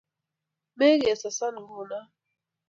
Mo kei soso nguno?